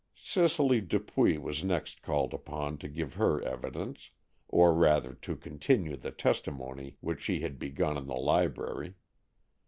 Cicely Dupuy was next called upon to give her evidence, or rather to continue the testimony which she had begun in the library.